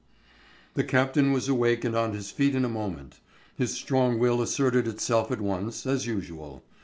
The captain was awake and on his feet in a moment. His strong will asserted itself at once, as usual.